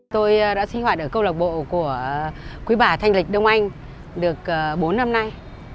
tôi đã sinh hoạt ở câu lạc bộ của quý bà thanh lịch đông anh được bốn năm nay